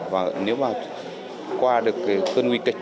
và nếu mà qua được cơn nguy kịch